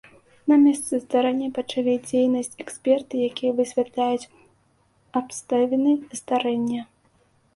На месцы здарэння пачалі дзейнасць эксперты, якія высвятляюць абставіны здарэння.